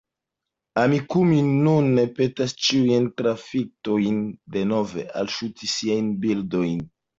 Amikumu nun petas ĉiujn trafitojn denove alŝuti siajn bildojn.